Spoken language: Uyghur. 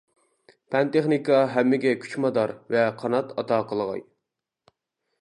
پەن-تېخنىكا ھەممىگە كۈچ-مادار ۋە قانات ئاتا قىلغاي!